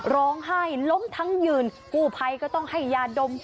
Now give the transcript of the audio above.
ร้องไห้ล้มทั้งยืนกู้ภัยก็ต้องให้ยาดม